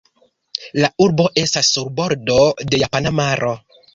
La urbo estas sur bordo de Japana maro.